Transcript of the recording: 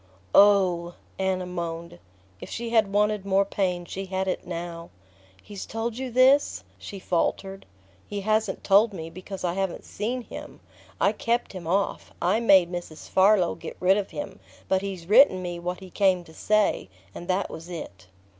"Oh " Anna moaned. If she had wanted more pain she had it now. "He's told you this?" she faltered. "He hasn't told me, because I haven't seen him. I kept him off I made Mrs. Farlow get rid of him. But he's written me what he came to say; and that was it."